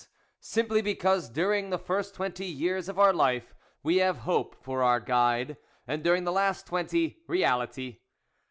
simply because during the first twenty years of our life, we have Hope for our guide, and during the last twenty, Reality.